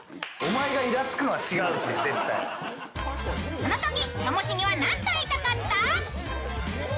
そのとき、ともしげは何と言いたかった？